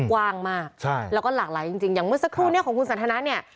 กว้างมากใช่แล้วก็หลากหลายจริงอย่างเมื่อสักครู่เนี่ยของคุณสันทนาเนี่ย